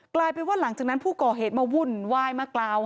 กลายเป็นว่าหลังจากนั้นผู้ก่อเหตุมาวุ่นวายมากล่าว